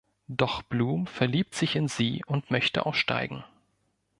Doch Bloom verliebt sich in sie und möchte aussteigen.